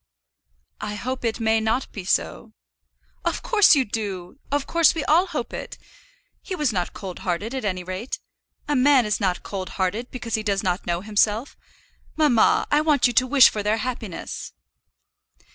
"I hope it may not be so." "Of course you do; of course we all hope it. He was not cold hearted, at any rate. A man is not cold hearted, because he does not know himself. Mamma, I want you to wish for their happiness."